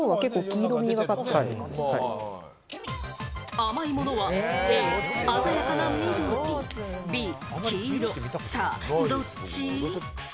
甘いものはＡ・鮮やかな緑、Ｂ・黄色、さぁどっち？